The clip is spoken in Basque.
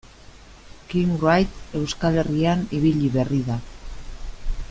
Kim Wright Euskal Herrian ibili berri da.